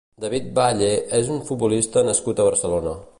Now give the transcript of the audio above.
David Valle és un futbolista nascut a Barcelona.